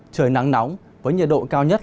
trời nắng nóng với nhiệt độ cao nhất